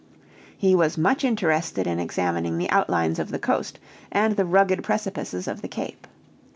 He was much interested in examining the outlines of the coast and the rugged precipices of the Cape.